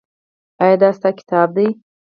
ایا دا ستا کتاب دی؟